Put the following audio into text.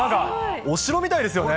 お城みたいですよね。